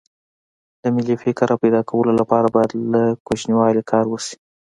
د ملي فکر راپیدا کولو لپاره باید له کوچنیوالي کار وشي